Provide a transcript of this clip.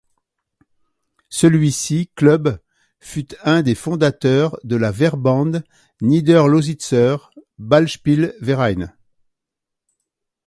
Celui-ci club fut un des fondateurs de la Verband Niederlausitzer Ballspiel-Vereine.